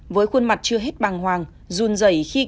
với khuôn mặt chưa hết bằng hoàng